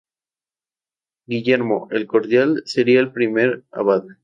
Guillermo ""el Cordial"" sería el primer abad.